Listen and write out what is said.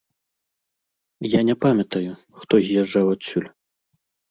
Я не памятаю, хто з'язджаў адсюль.